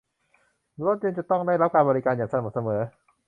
รถยนต์จะต้องได้รับการบริการอย่างสม่ำเสมอ